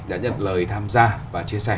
đã nhận lời tham gia và chia sẻ